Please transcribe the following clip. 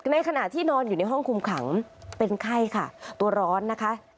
ในขณะที่นอนอยู่ในห้องคุมขังเป็นไข้ค่ะตัวร้อนนะคะ